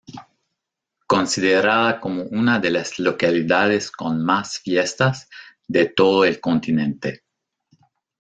Considerada como una de las localidades con más fiestas de todo el continente.